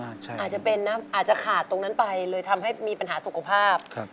อาจจะเป็นนะอาจจะขาดตรงนั้นไปเลยทำให้มีปัญหาสุขภาพ